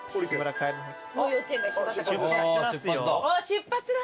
出発だ。